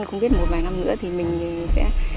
không biết một vài năm nữa thì mình sẽ